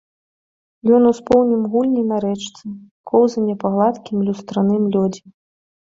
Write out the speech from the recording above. Ён успомніў гульні на рэчцы, коўзанне па гладкім, люстраным лёдзе.